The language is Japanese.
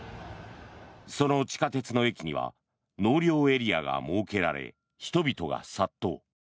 その地下鉄の駅には納涼エリアが設けられ人々が殺到。